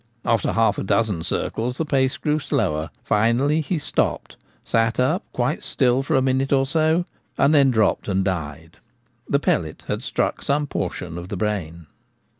After half a dozen circles the pace grew slower. Finally, he stopped, sat up quite still for a minute or so, and then drooped and died. The pellet had struck some portion of the brain.